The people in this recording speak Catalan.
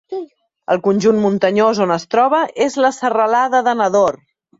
El conjunt muntanyós on es troba és la serralada de Nador.